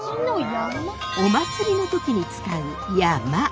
お祭りの時に使う山車！